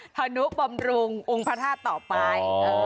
พนุษย์บำรุงอุงพระธาตุต่อไป